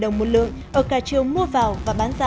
đồng một lượng ở cà triều mua vào và bán giả